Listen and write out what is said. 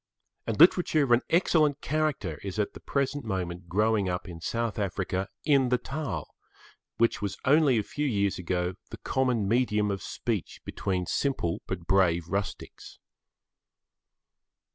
And literature of an excellent character is at the present moment growing up in South Africa in the Taal, which was only a few years ago, the common medium of speech between simple but brave rustics.